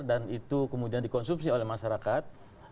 itu kemudian dikonsumsi oleh masyarakat